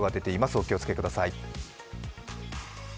お気をつけください。